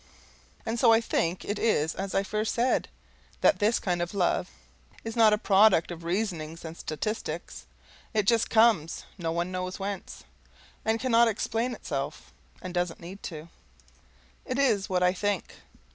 And so I think it is as I first said: that this kind of love is not a product of reasonings and statistics. It just COMES none knows whence and cannot explain itself. And doesn't need to. It is what I think.